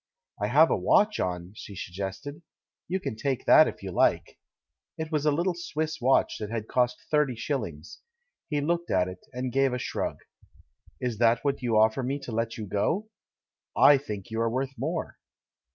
"I have a watch on," she suggested; "you can take that if you hke." It was a httle Swiss watch THE CHILD IN THE GARDEN 175 that had cost thirty shillings. He looked at it, and gave a shrug. "Is that what you offer me to let you go? I think you are worth more."